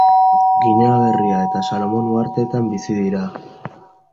Ginea Berria eta Salomon Uhartetan bizi dira.